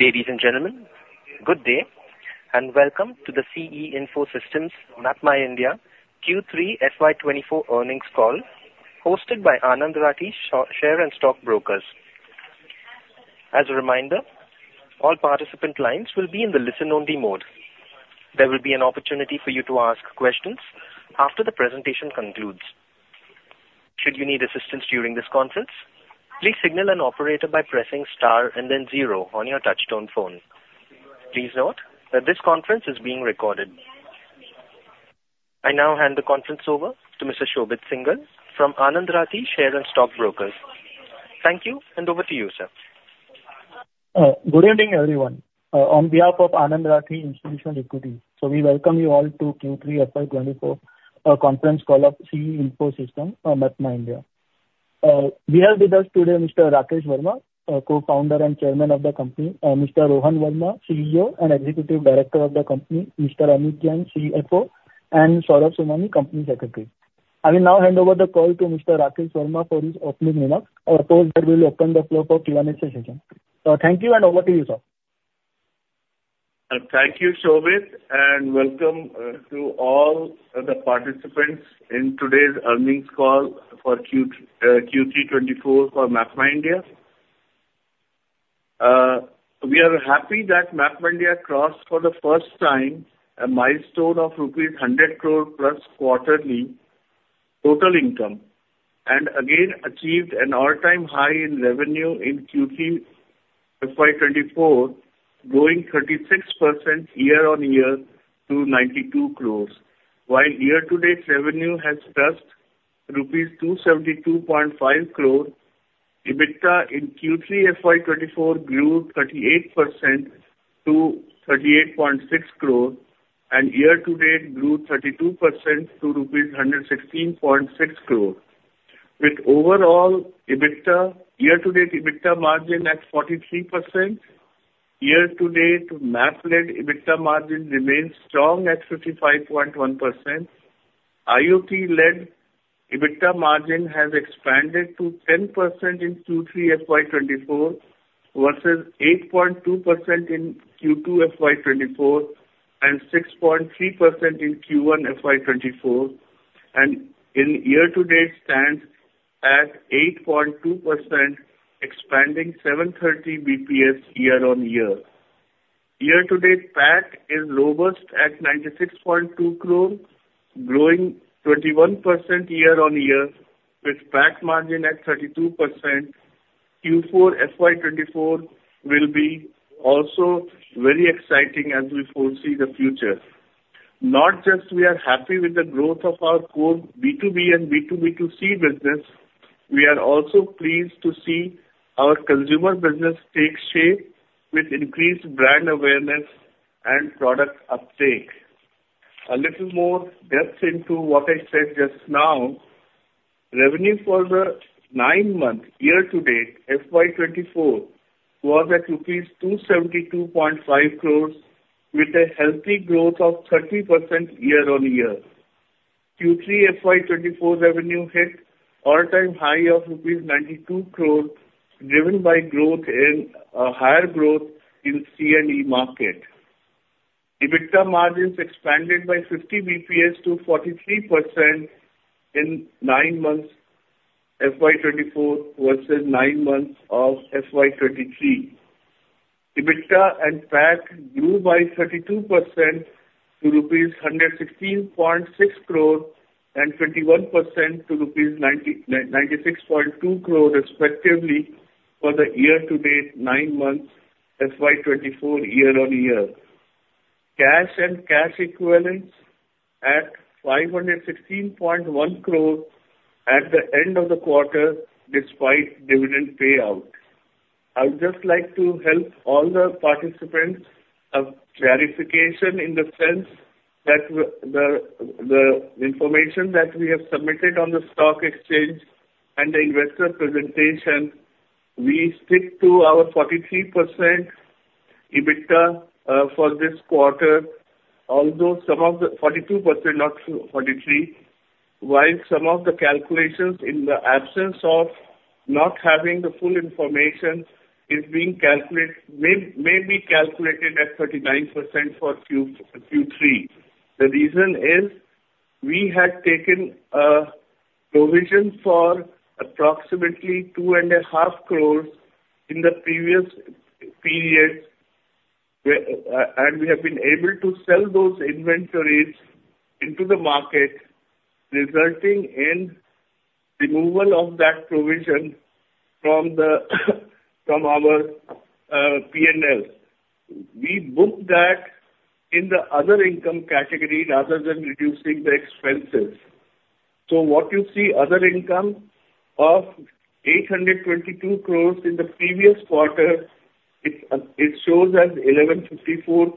Ladies and gentlemen, good day, and welcome to the C.E. Info Systems MapmyIndia Q3 FY 2024 earnings call, hosted by Anand Rathi Share and Stock Brokers. As a reminder, all participant lines will be in the listen-only mode. There will be an opportunity for you to ask questions after the presentation concludes. Should you need assistance during this conference, please signal an operator by pressing star and then zero on your touchtone phone. Please note that this conference is being recorded. I now hand the conference over to Mr. Shobhit Singhal from Anand Rathi Share and Stock Brokers. Thank you, and over to you, sir. Good evening, everyone. On behalf of Anand Rathi Institutional Equity, so we welcome you all to Q3 FY 2024 conference call of C.E. Info Systems, MapmyIndia. We have with us today Mr. Rakesh Verma, Co-Founder and Chairman of the company, Mr. Rohan Verma, CEO and Executive Director of the company, Mr. Anuj Jain, CFO, and Saurabh Somani, Company Secretary. I will now hand over the call to Mr. Rakesh Verma for his opening remarks, after which we'll open the floor for Q&A session. Thank you, and over to you, sir. Thank you, Shobhit, and welcome to all the participants in today's earnings call for Q3 2024 for MapmyIndia. We are happy that MapmyIndia crossed for the first time a milestone of rupees 100+ crore quarterly total income, and again achieved an all-time high in revenue in Q3 FY 2024, growing 36% year-on-year to 92 crore. While year-to-date revenue has touched rupees 272.5 crore, EBITDA in Q3 FY 2024 grew 38% to 38.6 crore, and year-to-date grew 32% to rupees 116.6 crore. With overall EBITDA, year-to-date EBITDA margin at 43%, year-to-date map-led EBITDA margin remains strong at 55.1%. IoT-led EBITDA margin has expanded to 10% in Q3 FY 2024 versus 8.2% in Q2 FY 2024, and 6.3% in Q1 FY 2024, and in year-to-date stands at 8.2%, expanding 730 basis points year-on-year. Year-to-date PAT is robust at 96.2 crore, growing 21% year-on-year, with PAT margin at 32%. Q4 FY 2024 will be also very exciting as we foresee the future. Not just we are happy with the growth of our core B2B and B2B2C business, we are also pleased to see our consumer business take shape with increased brand awareness and product uptake. A little more depth into what I said just now. Revenue for the nine months year-to-date, FY 2024, was at rupees 272.5 crore, with a healthy growth of 30% year-on-year. Q3 FY 2024 revenue hit all-time high of rupees 92 crore, driven by growth in higher growth in C&E market. EBITDA margins expanded by 50 basis points to 43% in nine months FY 2024 versus nine months of FY 2023. EBITDA and PAT grew by 32% to rupees 116.6 crore and 21% to rupees 96.2 crore respectively for the year-to-date nine months, FY 2024, year-on-year. Cash and cash equivalents at 516.1 crore at the end of the quarter, despite dividend payout. I would just like to help all the participants a clarification in the sense that the information that we have submitted on the stock exchange and the investor presentation, we stick to our 43% EBITDA for this quarter, although some of the... 42%, not 43%, while some of the calculations in the absence of not having the full information is being calculated, may be calculated at 39% for Q3. The reason is, we had taken a provision for approximately 2.5 crore in the previous period, where and we have been able to sell those inventories into the market, resulting in removal of that provision from the, from our P&L. We booked that in the other income category, rather than reducing the expenses. So what you see other income of 8.22 crore in the previous quarter, it shows as 11.54 crore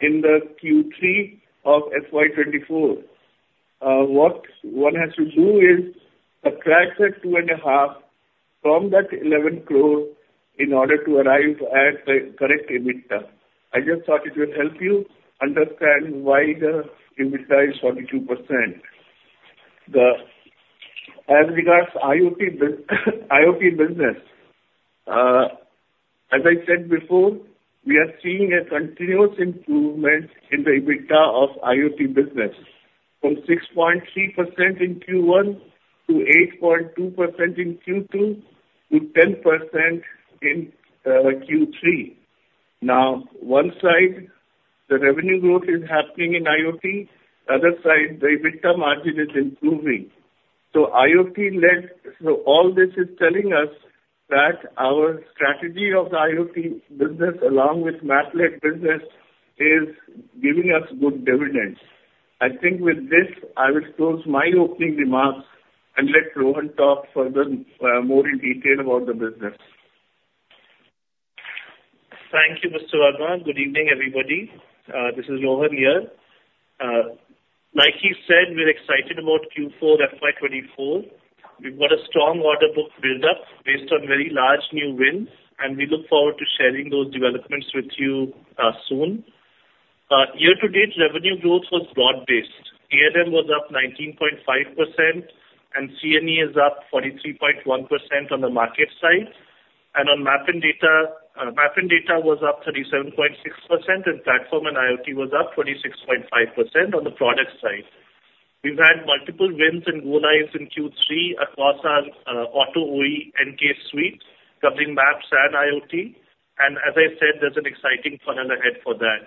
in the Q3 of FY 2024. What one has to do is subtract the 2.5 from that 11 crore, in order to arrive at the correct EBITDA. I just thought it would help you understand why the EBITDA is 42%. As regards IoT business, as I said before, we are seeing a continuous improvement in the EBITDA of IoT business, from 6.3% in Q1, to 8.2% in Q2, to 10% in Q3. Now, one side, the revenue growth is happening in IoT. Other side, the EBITDA margin is improving. So IoT led—so all this is telling us that our strategy of the IoT business, along with Map-led business, is giving us good dividends. I think with this, I will close my opening remarks and let Rohan talk further, more in detail about the business. Thank you, Mr. Verma. Good evening, everybody. This is Rohan here. Like he said, we're excited about Q4 FY 2024. We've got a strong order book build-up based on very large new wins, and we look forward to sharing those developments with you, soon. Year-to-date revenue growth was broad-based. A&M was up 19.5%, and C&E is up 43.1% on the market side. And on Map and Data, Map and Data was up 37.6%, and Platform and IoT was up 26.5% on the product side. We've had multiple wins and go-lives in Q3 across our, auto OEM and N-CASE suites, covering Maps and IoT. And as I said, there's an exciting funnel ahead for that.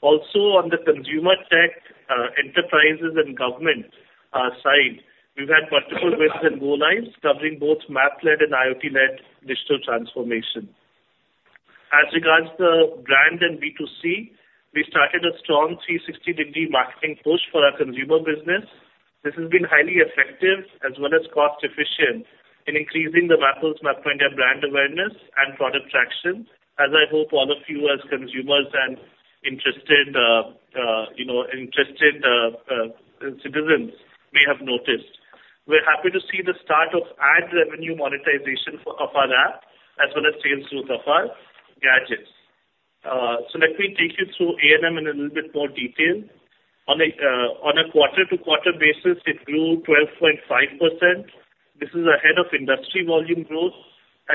Also, on the consumer tech, enterprises and government side, we've had multiple wins and go-lives covering both Map-led and IoT-led digital transformation. As regards the brand and B2C, we started a strong 360-degree marketing push for our consumer business. This has been highly effective as well as cost efficient in increasing the Mappls MapmyIndia brand awareness and product traction, as I hope all of you as consumers and interested, you know, interested citizens may have noticed. We're happy to see the start of ad revenue monetization for, of our app, as well as sales growth of our gadgets. So let me take you through A&M in a little bit more detail. On a quarter-to-quarter basis, it grew 12.5%. This is ahead of industry volume growth.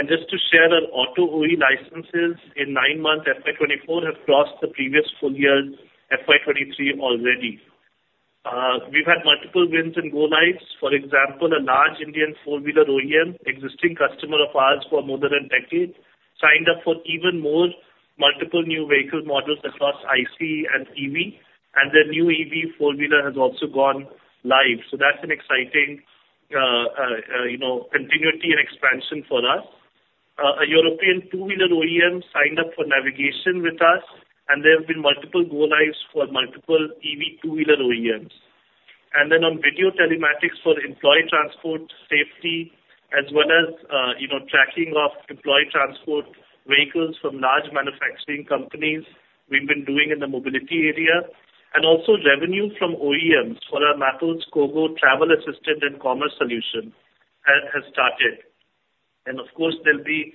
Just to share, our auto OEM licenses in nine months, FY 2024, have crossed the previous full year, FY 2023, already. We've had multiple wins and go-lives. For example, a large Indian four-wheeler OEM, existing customer of ours for maps and tech, signed up for even more multiple new vehicle models across ICE and EV, and their new EV four-wheeler has also gone live. So that's an exciting, you know, continuity and expansion for us. A European two-wheeler OEM signed up for navigation with us, and there have been multiple go-lives for multiple EV two-wheeler OEMs. And then on video telematics for employee transport safety, as well as, you know, tracking of employee transport vehicles from large manufacturing companies, we've been doing in the mobility area. And also revenue from OEMs for our Mappls KOGO travel assistant and commerce solution has started. And of course, there'll be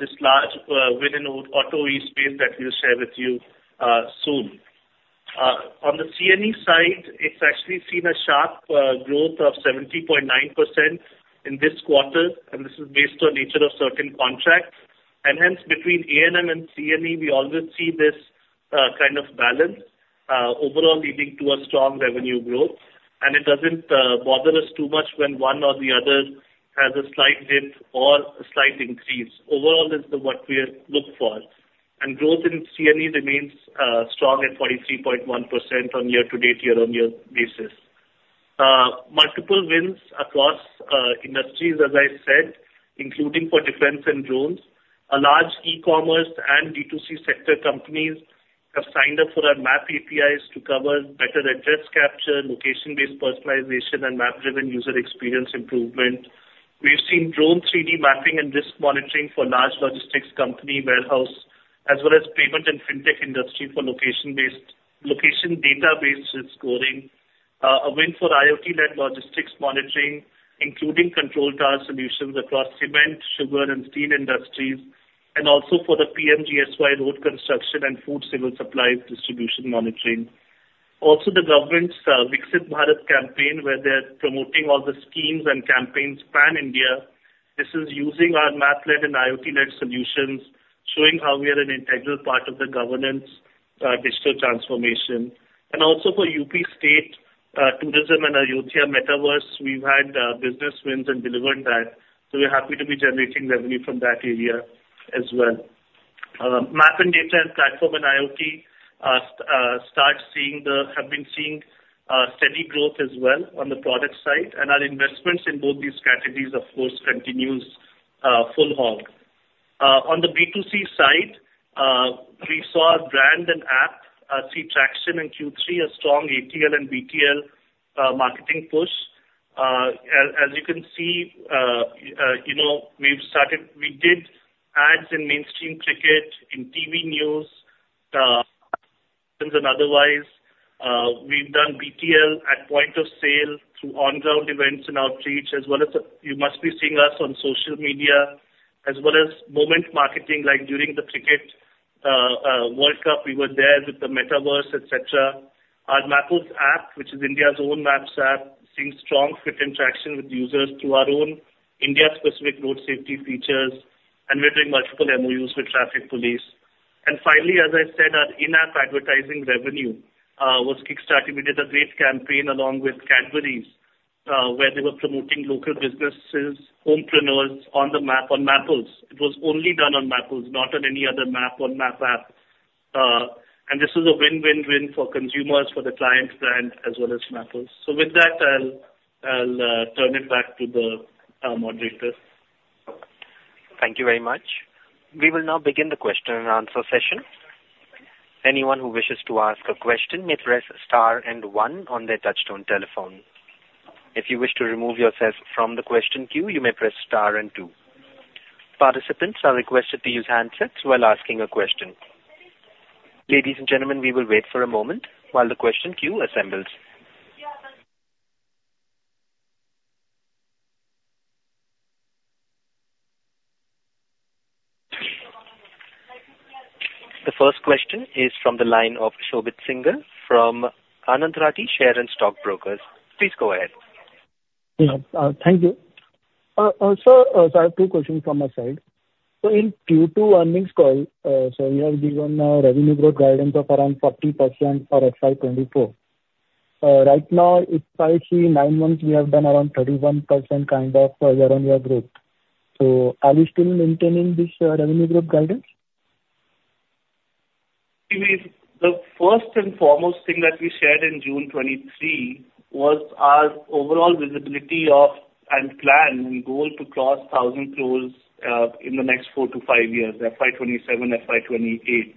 this large win in auto space that we'll share with you soon. On the C&E side, it's actually seen a sharp growth of 70.9% in this quarter, and this is based on nature of certain contracts. And hence, between A&M and C&E, we always see this kind of balance overall leading to a strong revenue growth. And it doesn't bother us too much when one or the other has a slight dip or a slight increase. Overall, this is what we look for. And growth in C&E remains strong at 43.1% on year-to-date, year-on-year basis. Multiple wins across industries, as I said, including for defense and drones. A large e-commerce and D2C sector companies have signed up for our Map APIs to cover better address capture, location-based personalization, and map-driven user experience improvement. We've seen drone 3D mapping and risk monitoring for large logistics company warehouse, as well as payment and fintech industry for location data-based risk scoring. A win for IoT-led logistics monitoring, including control tower solutions across cement, sugar, and steel industries, and also for the PMGSY road construction and food civil supplies distribution monitoring. Also, the government's Viksit Bharat campaign, where they're promoting all the schemes and campaigns pan-India. This is using our Map-led and IoT-led solutions, showing how we are an integral part of the government's digital transformation. Also for UP State Tourism & Ayodhya Metaverse, we've had business wins and delivered that, so we're happy to be generating revenue from that area as well. Maps and Data and Platform and IoT have been seeing steady growth as well on the product side. Our investments in both these categories, of course, continues full hog. On the B2C side, we saw our brand and app see traction in Q3, a strong ATL and BTL marketing push. As you can see, you know, we've started. We did ads in mainstream cricket, in TV news. Otherwise, we've done BTL at point of sale through on-ground events and outreach, as well as, you must be seeing us on social media, as well as moment marketing like during the Cricket World Cup, we were there with the Metaverse, et cetera. Our Mappls app, which is India's own maps app, seeing strong fit and traction with users through our own India-specific road safety features, and we're doing multiple MOUs with traffic police. Finally, as I said, our in-app advertising revenue was kick-started. We did a great campaign along with Cadbury's, where they were promoting local businesses, home entrepreneurs on the map, on Mappls. It was only done on Mappls, not on any other map or map app. And this is a win-win-win for consumers, for the client brand, as well as Mappls. So with that, I'll turn it back to the moderator. Thank you very much. We will now begin the question and answer session. Anyone who wishes to ask a question may press star and one on their touchtone telephone. If you wish to remove yourself from the question queue, you may press star and two. Participants are requested to use handsets while asking a question. Ladies and gentlemen, we will wait for a moment while the question queue assembles. The first question is from the line of Shobhit Singhal from Anand Rathi Share and Stock Brokers. Please go ahead. Yeah. Thank you. So I have two questions from my side. So in Q2 earnings call, you have given a revenue growth guidance of around 40% for FY 2024. Right now, if I see 9 months, we have done around 31% kind of year-on-year growth. So are we still maintaining this revenue growth guidance? The first and foremost thing that we shared in June 2023 was our overall visibility of and plan and goal to cross 1,000 crore in the next four to five years, FY 2027, FY 2028.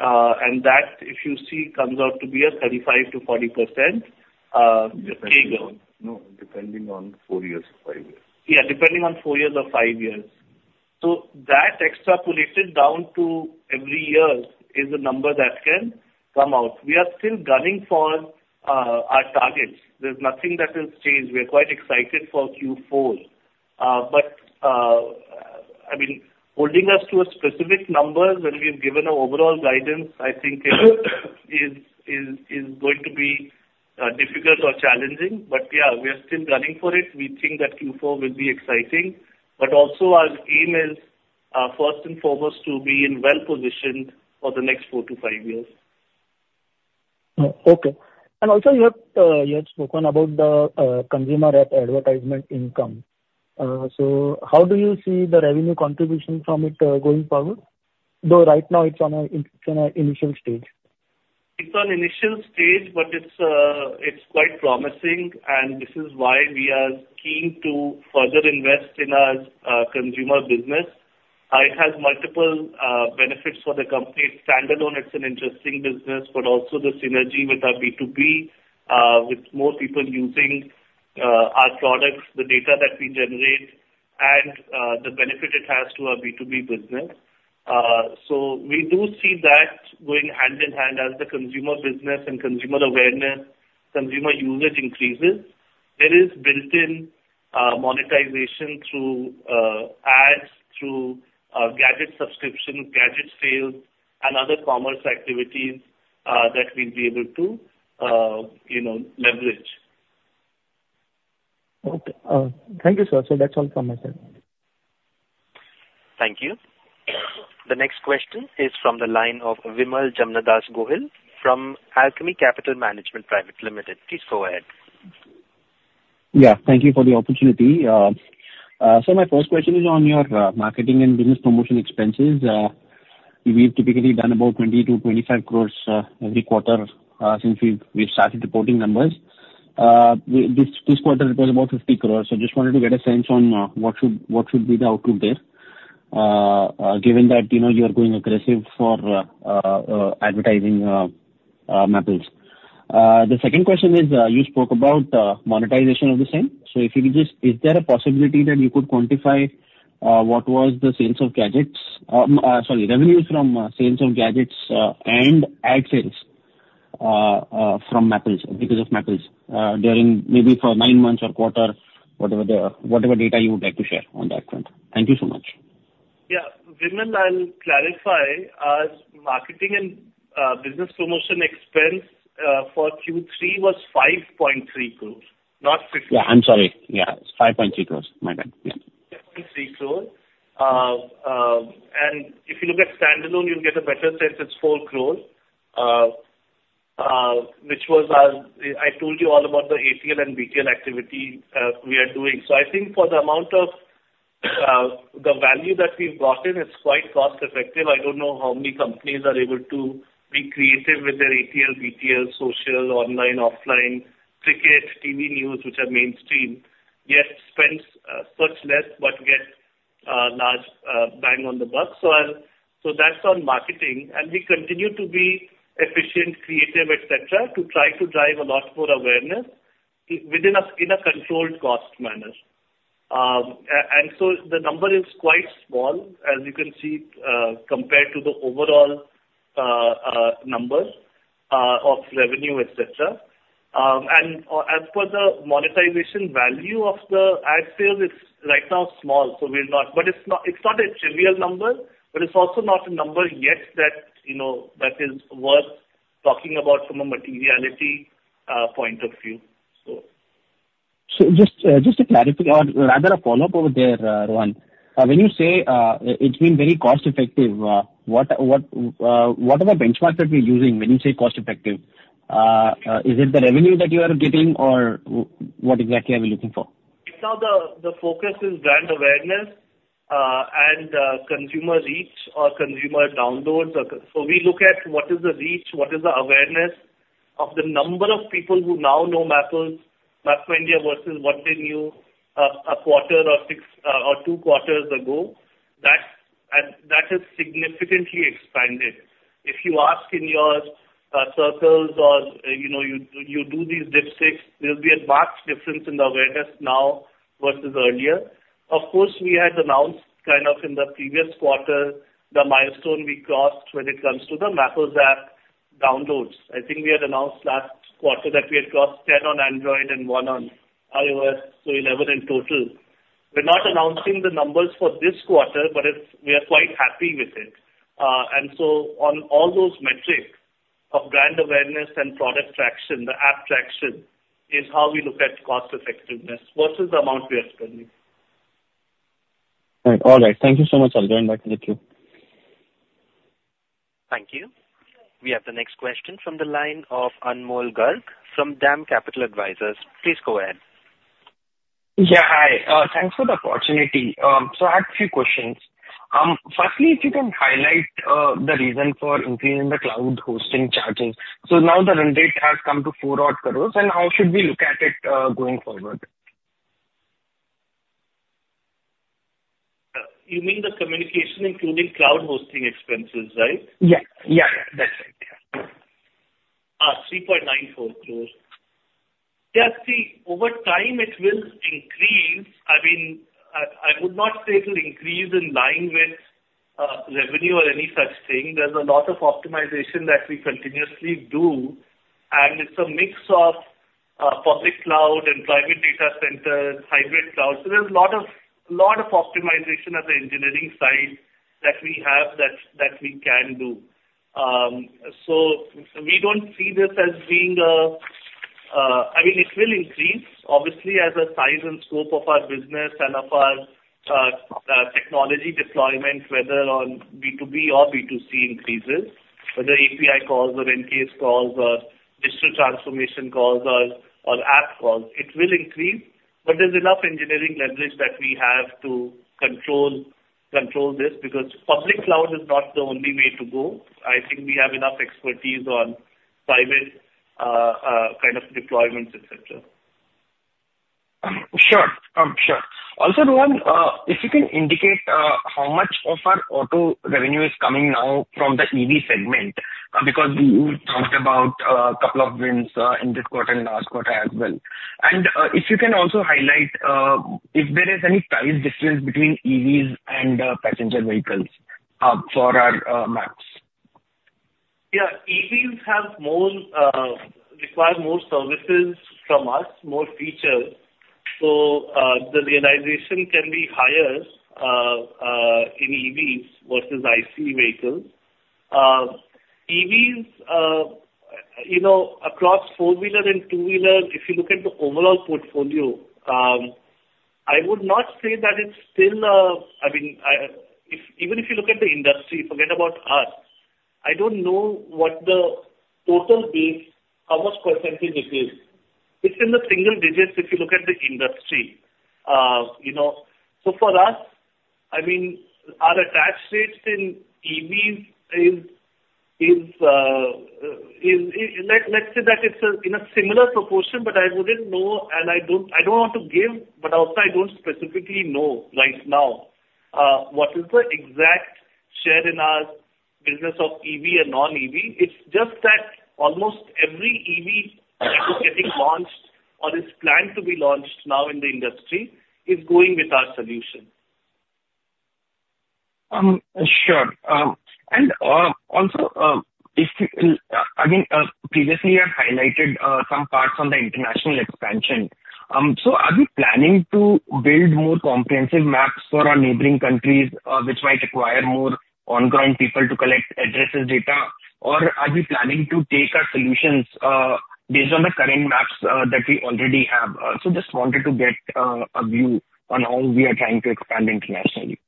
And that, if you see, comes out to be a 35%-40% CAGR. No, depending on four years. Yeah, depending on four years or five years. So that extrapolated down to every year is a number that can come out. We are still gunning for our targets. There's nothing that has changed. We are quite excited for Q4. But I mean, holding us to a specific number when we've given an overall guidance, I think is going to be difficult or challenging. But yeah, we are still gunning for it. We think that Q4 will be exciting, but also our aim is first and foremost to be well-positioned for the next four to five years. Oh, okay. And also you have, you have spoken about the consumer app advertisement income. So how do you see the revenue contribution from it, going forward? Though right now it's on a, it's on an initial stage. It's on initial stage, but it's quite promising, and this is why we are keen to further invest in our consumer business. It has multiple benefits for the company. Standalone, it's an interesting business, but also the synergy with our B2B, with more people using our products, the data that we generate and the benefit it has to our B2B business. So we do see that going hand in hand as the consumer business and consumer awareness, consumer usage increases. There is built-in monetization through ads, through gadget subscription, gadget sales, and other commerce activities that we'll be able to you know, leverage. Okay. Thank you, sir. So that's all from my side. Thank you. The next question is from the line of Vimal Gohil from Alchemy Capital Management Private Limited. Please go ahead. Yeah, thank you for the opportunity. So my first question is on your marketing and business promotion expenses. We've typically done about 20- 25 crores every quarter since we've started reporting numbers. This quarter it was about 50 crores. So just wanted to get a sense on what should be the outlook there, given that, you know, you are going aggressive for advertising Mappls. The second question is, you spoke about monetization of the same. So if you could just... Is there a possibility that you could quantify what was the sales of gadgets? Sorry, revenues from sales of gadgets and ad sales from Mappls, because of Mappls, during maybe for nine months or quarter, whatever data you would like to share on that front. Thank you so much. Yeah. Vimal, I'll clarify. Our marketing and business promotion expense for Q3 was 5.3 crore, not 50. Yeah, I'm sorry. Yeah, 5.3 crore. My bad. Yeah. 5.3 crores. And if you look at standalone, you'll get a better sense, it's 4 crores, which was our... I told you all about the ATL and BTL activity we are doing. So I think for the amount of the value that we've gotten, it's quite cost effective. I don't know how many companies are able to be creative with their ATL, BTL, social, online, offline, cricket, TV news, which are mainstream, yet spends much less, but get large bang on the buck. So that's on marketing, and we continue to be efficient, creative, et cetera, to try to drive a lot more awareness within a, in a controlled cost manner... So the number is quite small, as you can see, compared to the overall number of revenue, etc. And as for the monetization value of the ad sales, it's right now small, so we're not—but it's not, it's not a trivial number, but it's also not a number yet that, you know, that is worth talking about from a materiality point of view, so. So just to clarify, or rather a follow-up over there, Rohan. When you say it's been very cost effective, what are the benchmarks that we're using when you say cost effective? Is it the revenue that you are getting or what exactly are we looking for? Right now, the focus is brand awareness, and consumer reach or consumer downloads. So we look at what is the reach, what is the awareness of the number of people who now know Mappls, MapmyIndia, versus what they knew, a quarter or six, or two quarters ago. That has significantly expanded. If you ask in your circles or, you know, you do these dipsticks, there'll be a marked difference in the awareness now versus earlier. Of course, we had announced, kind of, in the previous quarter, the milestone we crossed when it comes to the Mappls app downloads. I think we had announced last quarter that we had crossed 10 on Android and one on iOS, so 11 in total. We're not announcing the numbers for this quarter, but it's, we are quite happy with it. And so on all those metrics of brand awareness and product traction, the app traction, is how we look at cost effectiveness versus the amount we are spending. All right. Thank you so much. I'll join back to the queue. Thank you. We have the next question from the line of Anmol Garg from DAM Capital Advisors. Please go ahead. Yeah, hi. Thanks for the opportunity. So I had a few questions. Firstly, if you can highlight the reason for increasing the cloud hosting charges? So now the run rate has come to 4 odd crores, and how should we look at it going forward? You mean the communication, including cloud hosting expenses, right? Yeah. Yeah, that's it. Yeah. 3.94 crores. Yeah, see, over time it will increase. I mean, I would not say it will increase in line with revenue or any such thing. There's a lot of optimization that we continuously do, and it's a mix of public cloud and private data centers, hybrid cloud. So there's a lot of optimization at the engineering side that we have that we can do. So we don't see this as being a... I mean, it will increase, obviously, as the size and scope of our business and of our technology deployment, whether on B2B or B2C, increases, whether API calls or N-CASE calls or digital transformation calls or app calls, it will increase. There's enough engineering leverage that we have to control this, because public cloud is not the only way to go. I think we have enough expertise on private, kind of, deployments, et cetera. Sure, sure. Also, Rohan, if you can indicate how much of our auto revenue is coming now from the EV segment, because you talked about a couple of wins in this quarter and last quarter as well. And, if you can also highlight if there is any price difference between EVs and passenger vehicles for our maps. Yeah, EVs have more, require more services from us, more features. So, the realization can be higher, in EVs versus ICE vehicles. EVs, you know, across four-wheeler and two-wheeler, if you look at the overall portfolio, I would not say that it's still, I mean, even if you look at the industry, forget about us, I don't know what the total base, how much percentage it is. It's in the single digits if you look at the industry, you know. So for us, I mean, our attach rates in EVs is, let's say that it's, in a similar proportion, but I wouldn't know, and I don't want to give, but also I don't specifically know right now, what is the exact share in our business of EV and non-EV. It's just that almost every EV that is getting launched or is planned to be launched now in the industry, is going with our solution. Sure. Also, if I mean, previously you have highlighted some parts on the international expansion. So are we planning to build more comprehensive maps for our neighboring countries, which might require more on-ground people to collect addresses, data? Or are we planning to take our solutions based on the current maps that we already have? So just wanted to get a view on how we are trying to expand internationally.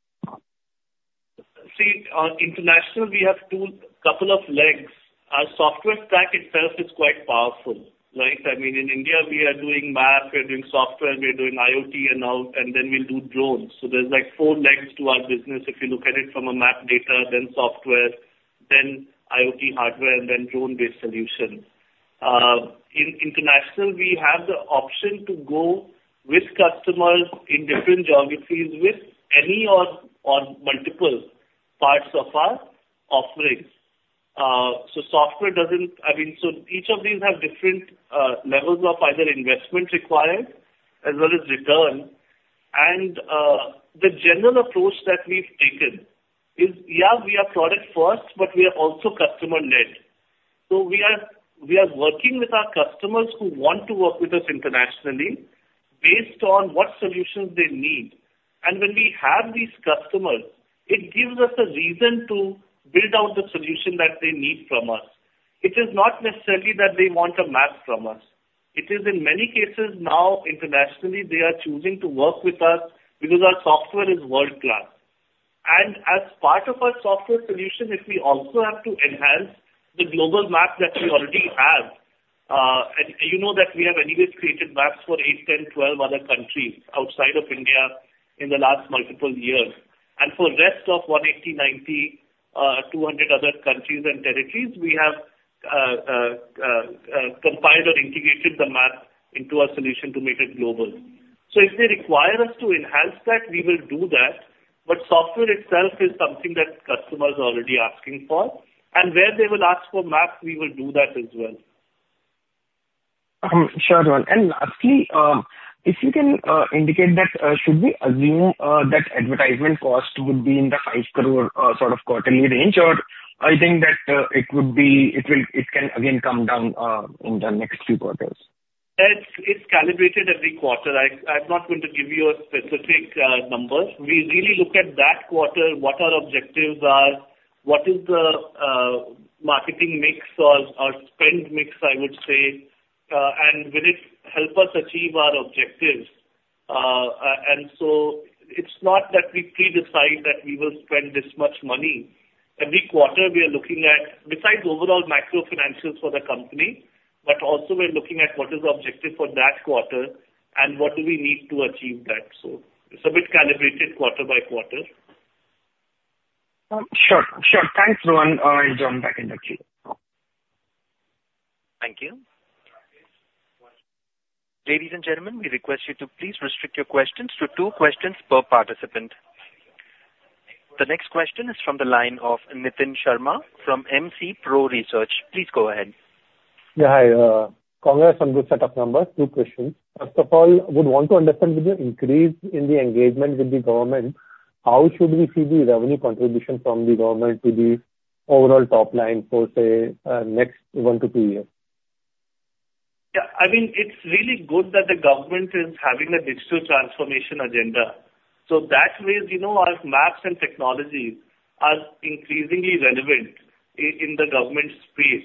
See, on international, we have two, couple of legs. Our software stack itself is quite powerful, right? I mean, in India, we are doing map, we are doing software, we are doing IoT, and now, and then we'll do drones. So there's, like, four legs to our business if you look at it from a map data, then software, then IoT hardware, and then drone-based solution. In international, we have the option to go with customers in different geographies with any or, or multiple parts of our offerings. So software doesn't. I mean, so each of these have different levels of either investment required as well as return. And the general approach that we've taken is, yeah, we are product first, but we are also customer-led. So we are working with our customers who want to work with us internationally based on what solutions they need. And when we have these customers, it gives us a reason to build out the solution that they need from us. It is not necessarily that they want a map from us. It is in many cases now, internationally, they are choosing to work with us because our software is world-class. And as part of our software solution, if we also have to enhance the global map that we already have, and you know that we have anyways created maps for eight, 10, 12 other countries outside of India in the last multiple years. And for rest of 180, 190, 200 other countries and territories, we have compiled or integrated the map into our solution to make it global. If they require us to enhance that, we will do that, but software itself is something that customers are already asking for, and where they will ask for maps, we will do that as well. Sure, Rohan. And lastly, if you can indicate that, should we assume that advertisement cost would be in the high crore sort of quarterly range? Or I think that it would be, it will, it can again come down in the next few quarters. It's calibrated every quarter. I'm not going to give you a specific number. We really look at that quarter, what our objectives are, what is the marketing mix or spend mix, I would say, and will it help us achieve our objectives? And so it's not that we pre-decide that we will spend this much money. Every quarter, we are looking at, besides overall macro financials for the company, but also we're looking at what is the objective for that quarter and what do we need to achieve that. So it's a bit calibrated quarter by quarter. Sure, sure. Thanks, Rohan. I'll join back in the queue. Thank you. Ladies and gentlemen, we request you to please restrict your questions to two questions per participant. The next question is from the line of Nitin Sharma from MC Pro Research. Please go ahead. Yeah, hi, congrats on good set of numbers. Two questions. First of all, I would want to understand with the increase in the engagement with the government, how should we see the revenue contribution from the government to the overall top line for, say, next one to two years? Yeah, I mean, it's really good that the government is having a digital transformation agenda. So that way, you know, our maps and technologies are increasingly relevant in the government space.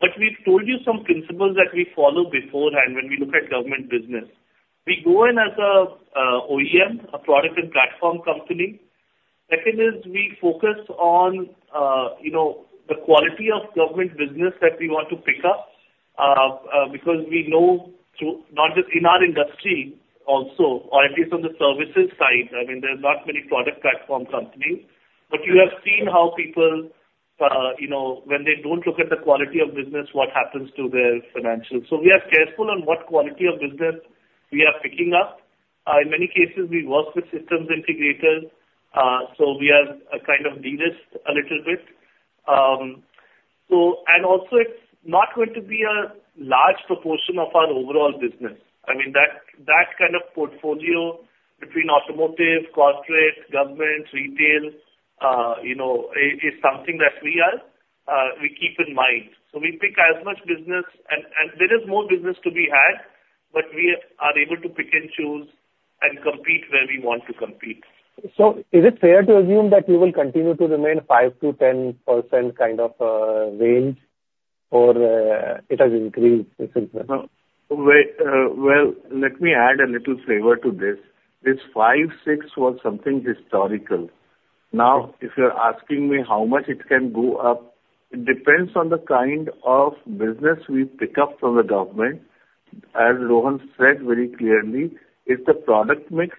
But we've told you some principles that we followed beforehand when we look at government business. We go in as a OEM, a product and platform company. Second is we focus on, you know, the quality of government business that we want to pick up, because we know through, not just in our industry also, or at least on the services side, I mean, there are not many product platform companies. But you have seen how people, you know, when they don't look at the quality of business, what happens to their financials. So we are careful on what quality of business we are picking up. In many cases, we work with systems integrators, so we are a kind of de-risked a little bit. So and also it's not going to be a large proportion of our overall business. I mean, that kind of portfolio between automotive, corporate, government, retail, you know, is something that we are, we keep in mind. So we pick as much business and there is more business to be had, but we are able to pick and choose and compete where we want to compete. Is it fair to assume that you will continue to remain 5%-10% kind of range or it has increased since then? Well, well, let me add a little flavor to this. This 5%-6% was something historical. Now, if you're asking me how much it can go up, it depends on the kind of business we pick up from the government. As Rohan said very clearly, it's the product mix,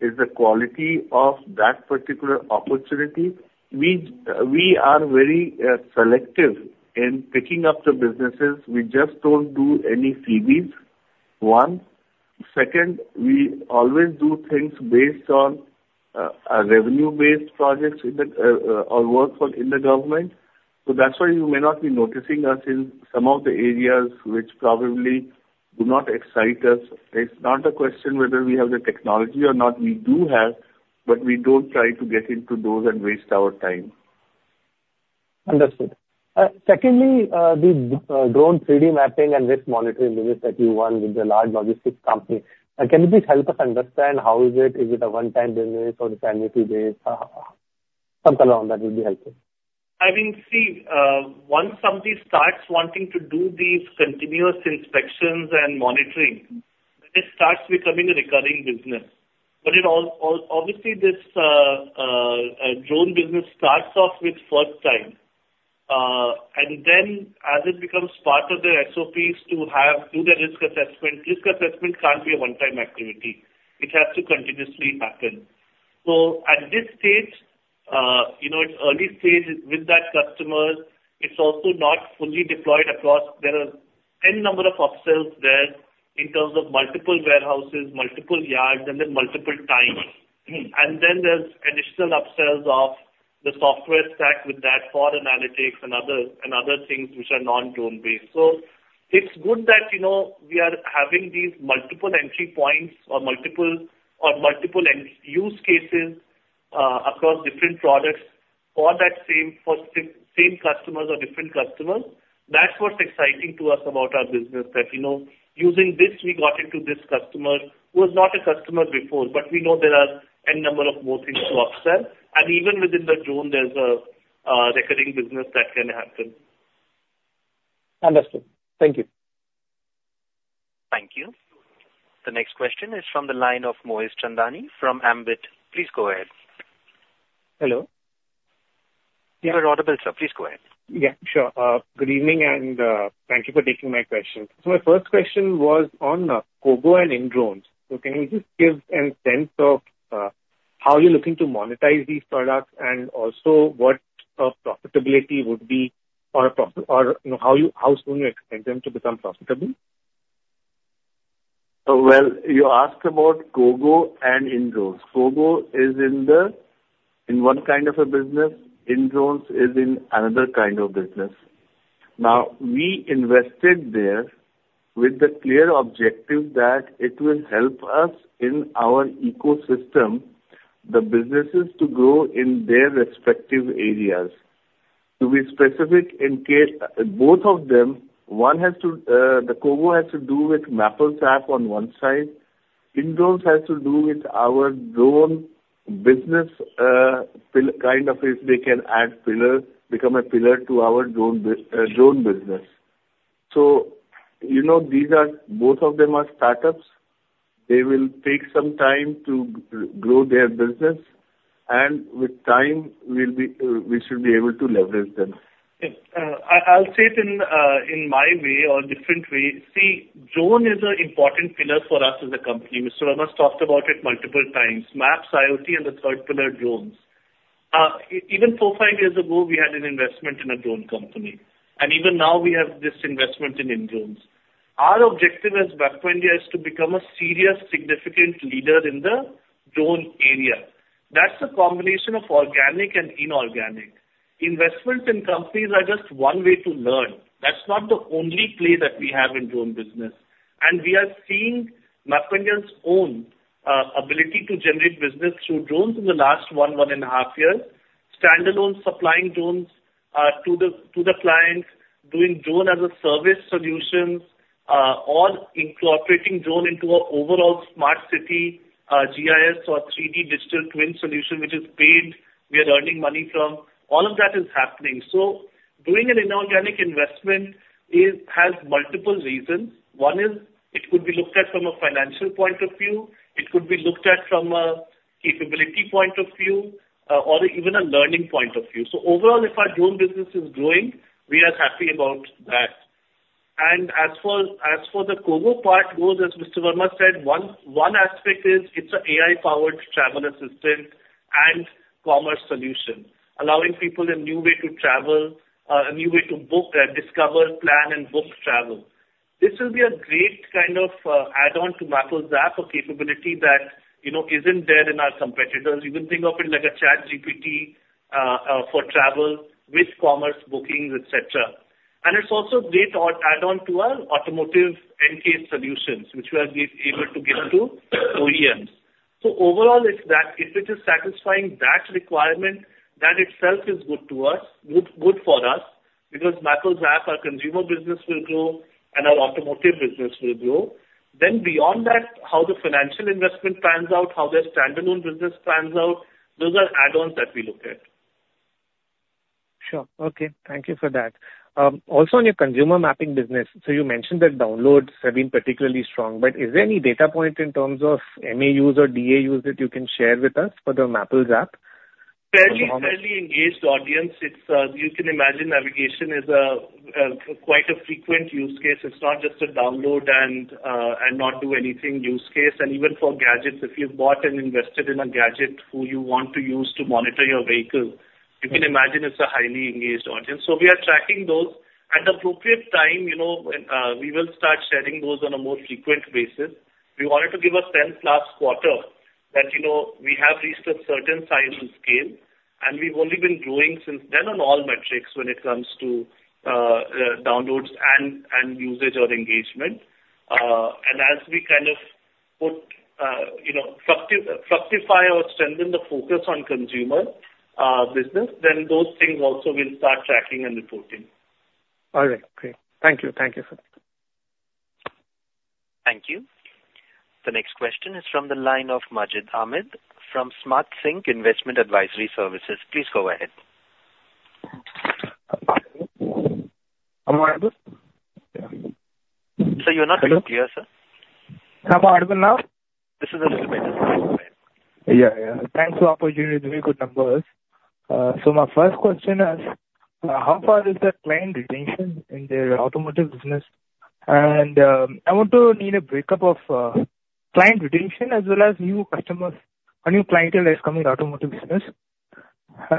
it's the quality of that particular opportunity. We, we are very selective in picking up the businesses. We just don't do any freebies, one. Second, we always do things based on a revenue-based projects in the or work for in the government. So that's why you may not be noticing us in some of the areas which probably do not excite us. It's not a question whether we have the technology or not, we do have, but we don't try to get into those and waste our time. Understood. Secondly, the drone 3D mapping and risk monitoring business that you won with the large logistics company, can you please help us understand how is it? Is it a one-time business or it's annually based? Something around that would be helpful. I mean, see, once somebody starts wanting to do these continuous inspections and monitoring, it starts becoming a recurring business. But it all, obviously, this drone business starts off with first time, and then as it becomes part of their SOPs to have, do the risk assessment, risk assessment can't be a one-time activity. It has to continuously happen. So at this stage, you know, it's early stages with that customer. It's also not fully deployed across... There are N number of upsells there in terms of multiple warehouses, multiple yards, and then multiple times. And then there's additional upsells of the software stack with that for analytics and other, and other things which are non-drone based. So it's good that, you know, we are having these multiple entry points or multiple end use cases, across different products for that same, for same customers or different customers. That's what's exciting to us about our business, that, you know, using this, we got into this customer who was not a customer before, but we know there are N number of more things to upsell. And even within the drone, there's a recurring business that can happen. Understood. Thank you. Thank you. The next question is from the line of Moez Chandani from Ambit. Please go ahead. Hello? You are audible, sir. Please go ahead. Yeah, sure. Good evening, and thank you for taking my question. So my first question was on KOGO and Indrones. So can you just give a sense of how you're looking to monetize these products, and also what profitability would be or, you know, how soon you expect them to become profitable? Well, you asked about KOGO and Indrones. KOGO is in the in one kind of a business, Indrones is in another kind of business. Now, we invested there with the clear objective that it will help us in our ecosystem, the businesses to grow in their respective areas. To be specific, in case... Both of them, one has to, the KOGO has to do with Mappls app on one side, Indrones has to do with our drone business, pillar kind of is they can add pillar, become a pillar to our drone bus drone business. So, you know, these are both of them are startups. They will take some time to grow their business, and with time, we'll be, we should be able to leverage them. Yeah. I'll say it in my way or different way. See, drone is an important pillar for us as a company. Mr. Verma talked about it multiple times. Maps, IoT, and the third pillar, drones. Even four to five years ago, we had an investment in a drone company, and even now we have this investment in Indrones. Our objective as MapmyIndia is to become a serious, significant leader in the drone area. That's a combination of organic and inorganic. Investments in companies are just one way to learn. That's not the only play that we have in drone business. And we are seeing MapmyIndia's own ability to generate business through drones in the last one and a half years. Standalone supplying drones to the clients, doing drone as a service solution, or incorporating drone into our overall smart city GIS or 3D digital twin solution, which is paid, we are earning money from. All of that is happening. So doing an inorganic investment has multiple reasons. One is it could be looked at from a financial point of view, it could be looked at from a capability point of view, or even a learning point of view. So overall, if our drone business is growing, we are happy about that. And as for the KOGO part goes, as Mr. Verma said, one aspect is it's a AI-powered travel assistant and commerce solution, allowing people a new way to travel, a new way to book, discover, plan and book travel. This will be a great kind of add-on to Mappls app or capability that, you know, isn't there in our competitors. You can think of it like a ChatGPT for travel with commerce, bookings, et cetera. And it's also great add-on to our automotive N-CASE solutions, which we have been able to give to OEMs. So overall, it's that if it is satisfying that requirement, that itself is good to us, good, good for us, because Mappls app, our consumer business will grow and our automotive business will grow. Then beyond that, how the financial investment pans out, how their standalone business pans out, those are add-ons that we look at. Sure. Okay. Thank you for that. Also on your consumer mapping business, so you mentioned that downloads have been particularly strong, but is there any data point in terms of MAUs or DAUs that you can share with us for the Mappls app? Fairly, fairly engaged audience. It's, you can imagine navigation is a, quite a frequent use case. It's not just a download and, and not do anything use case. And even for gadgets, if you've bought and invested in a gadget who you want to use to monitor your vehicle, you can imagine it's a highly engaged audience. So we are tracking those. At appropriate time, you know, when, we will start sharing those on a more frequent basis. We wanted to give a stable plus quarter that, you know, we have reached a certain size and scale, and we've only been growing since then on all metrics when it comes to, downloads and, and usage or engagement. As we kind of put, you know, fructify or strengthen the focus on consumer business, then those things also will start tracking and reporting. All right. Great. Thank you. Thank you, sir. Thank you. The next question is from the line of Majid Ahmed from Smart Sync Investment Advisory Services. Please go ahead. Am I audible? Yeah. Sir, you're not very clear, sir. Am I audible now? This is a little better. Yeah, yeah. Thanks for the opportunity. Very good numbers. So my first question is, how far is the client retention in the automotive business? And, I want to need a break-up of, client retention as well as new customers or new clientele that's coming in automotive business.... I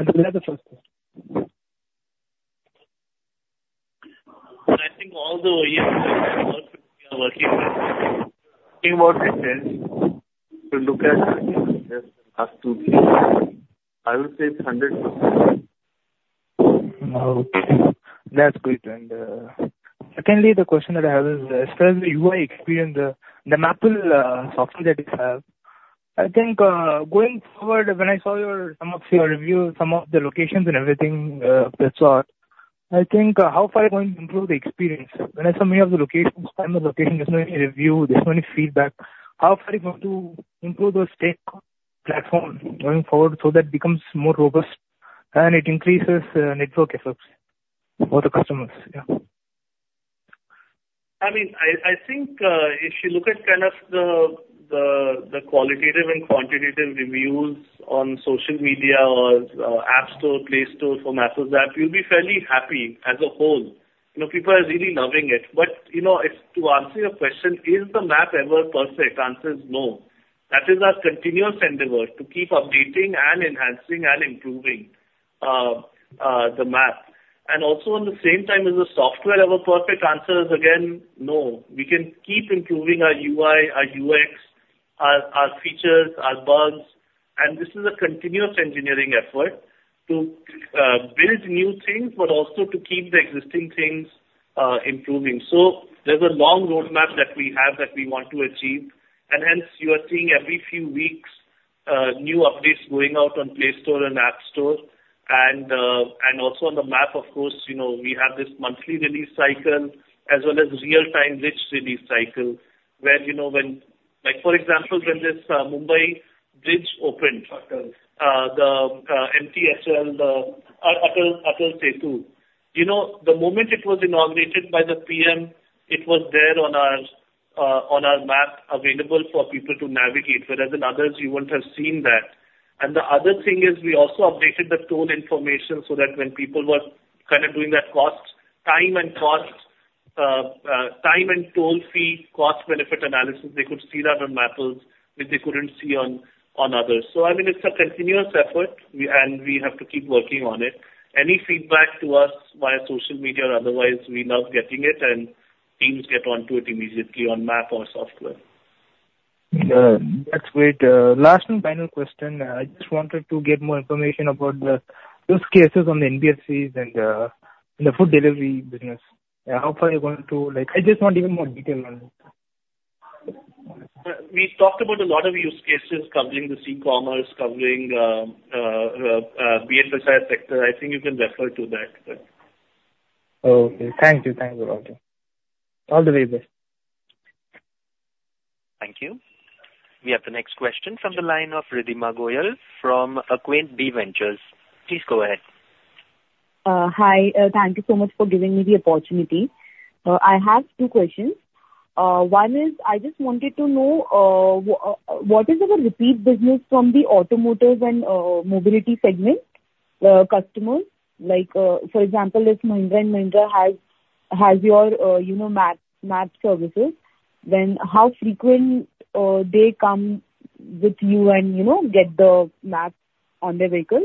think all the OEMs that we are working with, think about it then, to look at up to 3. I would say it's 100%. Okay, that's great. And, secondly, the question that I have is, as far as the UI experience, the, the Mappls software that you have, I think, going forward, when I saw your, some of your reviews, some of the locations and everything, that's all, I think, how far are you going to improve the experience? When there are so many of the locations, time of location, there's many review, there's many feedback. How far are you going to improve those tech platform going forward, so that it becomes more robust and it increases, network efforts for the customers? Yeah. I mean, I think, if you look at kind of the qualitative and quantitative reviews on social media or, App Store, Play Store for Mappls app, you'll be fairly happy as a whole. You know, people are really loving it. But, you know, if to answer your question, is the map ever perfect? Answer is no. That is our continuous endeavor, to keep updating and enhancing and improving, the map. And also, in the same time, is the software ever perfect? Answer is, again, no. We can keep improving our UI, our UX, our features, our bugs, and this is a continuous engineering effort to build new things, but also to keep the existing things improving. So there's a long roadmap that we have that we want to achieve, and hence you are seeing every few weeks, new updates going out on Play Store and App Store. And also on the map, of course, you know, we have this monthly release cycle as well as real-time rich release cycle, where, you know, when—like, for example, when this Mumbai bridge opened, the MTHL, the Atal Setu, you know, the moment it was inaugurated by the PM, it was there on our map, available for people to navigate, whereas in others, you won't have seen that. The other thing is we also updated the toll information, so that when people were kind of doing that cost, time and cost, time and toll fee, cost-benefit analysis, they could see that on Mappls, which they couldn't see on, on others. So, I mean, it's a continuous effort, we and we have to keep working on it. Any feedback to us via social media or otherwise, we love getting it, and teams get onto it immediately on Mappls or software. That's great. Last and final question, I just wanted to get more information about the use cases on the NBFCs and, in the food delivery business. How far are you going to... Like, I just want even more detail on it. We talked about a lot of use cases covering the C-commerce, covering, BFSI sector. I think you can refer to that. Okay. Thank you. Thank you very much. All the very best. Thank you. We have the next question from the line of Ridhima Goyal from Acquaint Bee Ventures. Please go ahead. Hi. Thank you so much for giving me the opportunity. I have two questions. One is, I just wanted to know what is our repeat business from the automotive and mobility segment customers? Like, for example, if Mahindra and Mahindra has your, you know, map services, then how frequent they come with you and, you know, get the maps on their vehicles?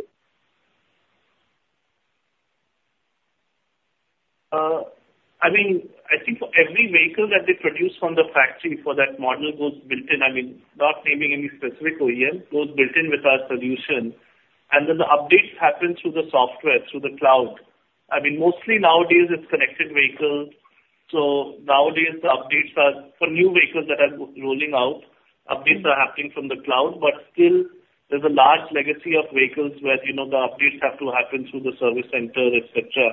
I mean, I think for every vehicle that they produce from the factory for that model, goes built-in. I mean, not naming any specific OEM, goes built-in with our solution. And then the updates happen through the software, through the cloud. I mean, mostly nowadays it's connected vehicles, so nowadays the updates are for new vehicles that are rolling out, updates are happening from the cloud. But still, there's a large legacy of vehicles where, you know, the updates have to happen through the service center, et cetera,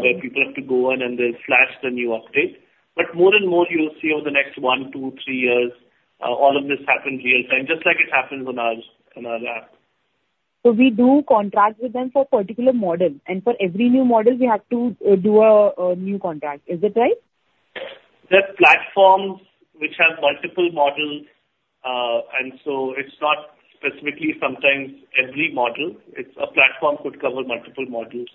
where people have to go in and they flash the new update. But more and more, you'll see over the next one, two, three years, all of this happen real-time, just like it happens on our, on our app. So we do contracts with them for a particular model, and for every new model, we have to do a new contract. Is it right? There are platforms which have multiple models, and so it's not specifically sometimes every model. It's a platform could cover multiple models.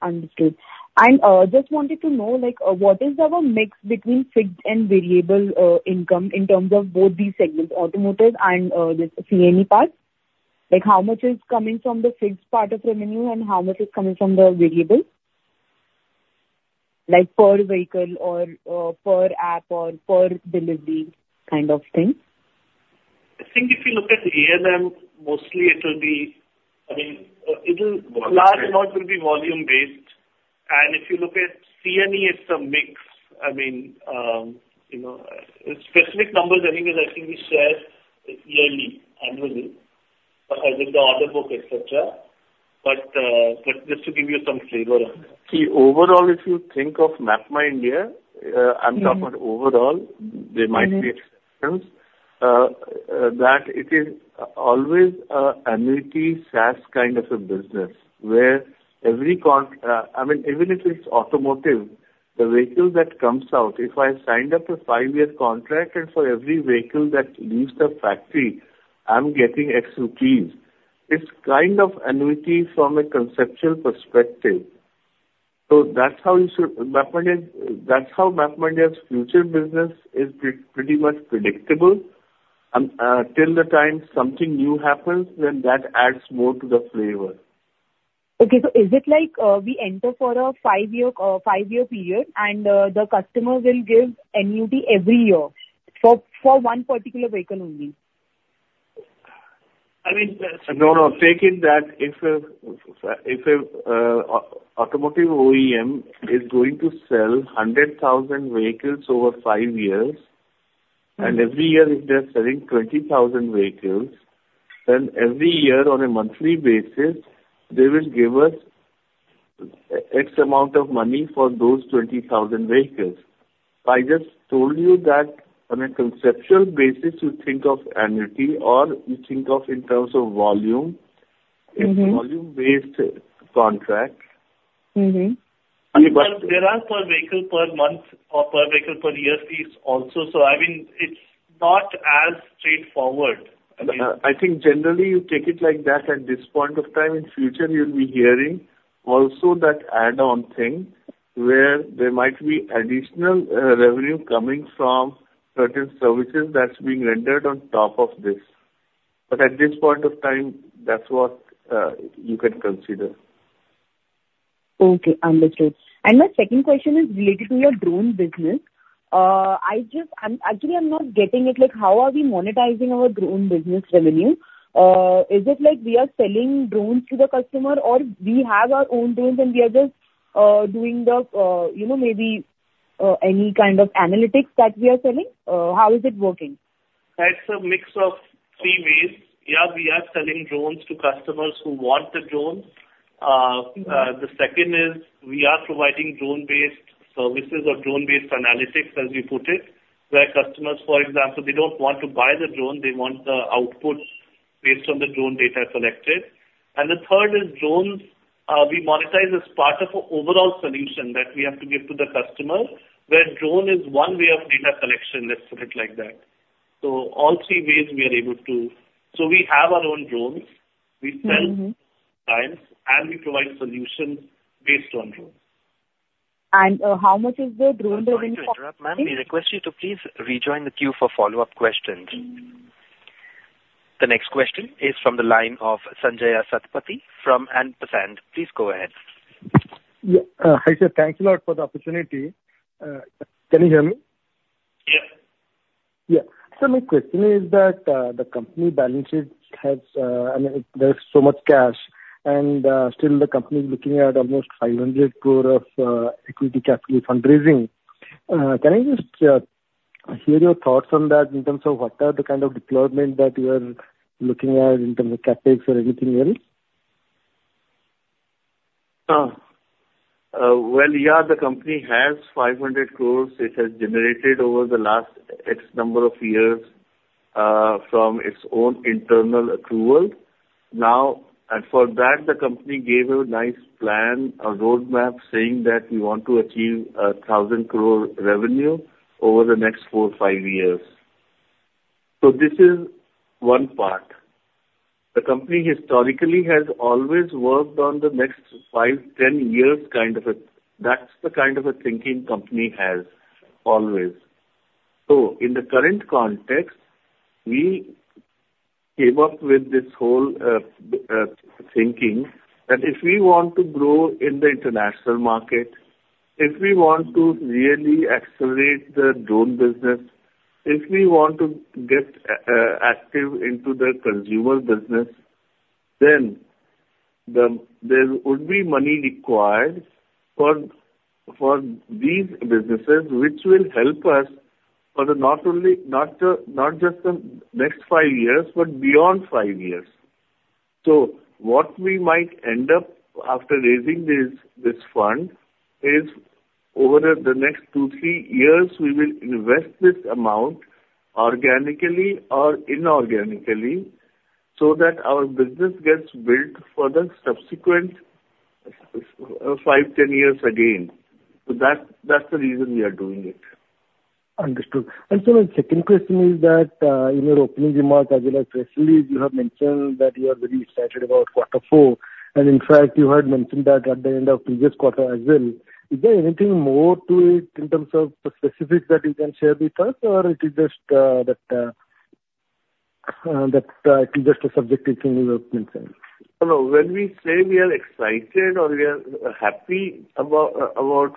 Understood. Just wanted to know, like, what is our mix between fixed and variable income in terms of both these segments, automotive and this C&E parts? Like, how much is coming from the fixed part of revenue and how much is coming from the variable? Like, per vehicle or per app or per delivery kind of thing. I think if you look at A&M, mostly it will be... I mean, it'll, large amount will be volume-based. And if you look at C&E, it's a mix. I mean, you know, specific numbers, I think, I think we share yearly, annually, with the order book, et cetera. But, but just to give you some flavor on that. See, overall, if you think of MapmyIndia. I'm talking about overall, there might be exceptions. That it is always an annuity SaaS kind of a business, where every—I mean, even if it's automotive, the vehicle that comes out, if I signed up a five-year contract and for every vehicle that leaves the factory, I'm getting X INR, it's kind of annuity from a conceptual perspective. So that's how you should, MapmyIndia, that's how MapmyIndia's future business is pretty much predictable. Till the time something new happens, then that adds more to the flavor. Okay, so is it like, we enter for a five-year, five-year period, and the customer will give annuity every year for one particular vehicle only? I mean, no, no. Take it that if a, if a, automotive OEM is going to sell 100,000 vehicles over five years, and every year if they're selling 20,000 vehicles, then every year on a monthly basis, they will give us X amount of money for those 20,000 vehicles. I just told you that on a conceptual basis, you think of annuity or you think of in terms of volume. It's volume-based contract. There are per vehicle per month or per vehicle per year fees also. I mean, it's not as straightforward. I think generally you take it like that at this point of time. In future, you'll be hearing also that add-on thing, where there might be additional revenue coming from certain services that's being rendered on top of this. But at this point of time, that's what you can consider. Okay, understood. And my second question is related to your drone business. I'm actually not getting it. Like, how are we monetizing our drone business revenue? Is it like we are selling drones to the customer, or we have our own drones and we are just doing the, you know, maybe any kind of analytics that we are selling? How is it working? It's a mix of three ways. Yeah, we are selling drones to customers who want the drones. The second is we are providing drone-based services or drone-based analytics, as we put it, where customers, for example, they don't want to buy the drone, they want the outputs based on the drone data collected. And the third is drones, we monetize as part of a overall solution that we have to give to the customer, where drone is one way of data collection, let's put it like that. So all three ways we are able to... So we have our own drones. We sell to clients, and we provide solutions based on drones. And how much is the drone business? I'm sorry to interrupt, ma'am. We request you to please rejoin the queue for follow-up questions. The next question is from the line of Sanjaya Satapathy from Ampersand. Please go ahead. Yeah. Hi, sir. Thank you a lot for the opportunity. Can you hear me? Yes. Yeah. So my question is that, the company balances has, I mean, there's so much cash, and still the company is looking at almost 500 crore of equity capital fundraising. Can I just hear your thoughts on that in terms of what are the kind of deployment that you are looking at in terms of CapEx or anything else? Well, yeah, the company has 500 crore. It has generated over the last X number of years from its own internal accrual. Now, and for that, the company gave a nice plan, a roadmap, saying that we want to achieve 1,000 crore revenue over the next four to five years. So this is one part. The company historically has always worked on the next five to 10 years kind of a... That's the kind of a thinking company has, always. So in the current context, we came up with this whole, thinking that if we want to grow in the international market, if we want to really accelerate the drone business, if we want to get active into the consumer business, then there would be money required for, for these businesses, which will help us for the not only, not, not just the next five years, but beyond five years. So what we might end up after raising this, this fund is over the net two, three years, we will invest this amount organically or inorganically, so that our business gets built for the subsequent, five, 10 years again. So that's, that's the reason we are doing it. Understood. And so my second question is that, in your opening remarks, as well as press release, you have mentioned that you are very excited about quarter four, and in fact, you had mentioned that at the end of previous quarter as well. Is there anything more to it in terms of the specifics that you can share with us, or it is just that it's just a subjective thing you have mentioned? No, when we say we are excited or we are happy about, about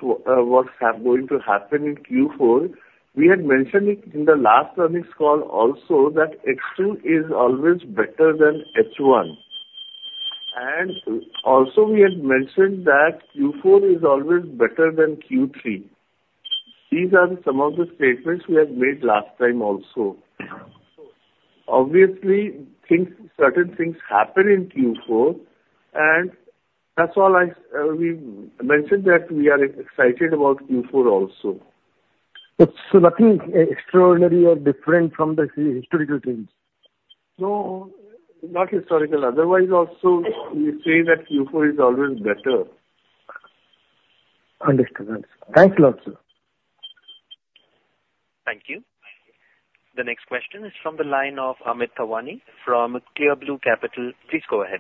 what's going to happen in Q4, we had mentioned it in the last earnings call also, that H2 is always better than H1. And also we had mentioned that Q4 is always better than Q3. These are some of the statements we had made last time also. Obviously, things, certain things happen in Q4, and that's all we mentioned that we are excited about Q4 also. So nothing extraordinary or different from the historical trends? No, not historical. Otherwise, also, we say that Q4 is always better. Understood. Understood. Thanks a lot, sir. Thank you. The next question is from the line of Amit Thawani from Clear Blue Capital. Please go ahead.